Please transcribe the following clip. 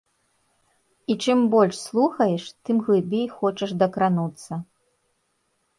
І чым больш слухаеш, тым глыбей хочаш дакрануцца.